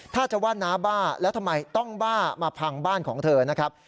ถ้าจะว่าน้าบ้าแล้วทำไมต้องบ้ามาพังบ้านของเธอนะครับ